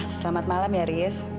selamat malam ya riz